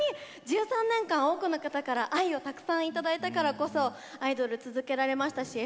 １３年間多くの方から愛をたくさんいただいたからこそアイドル続けられましたし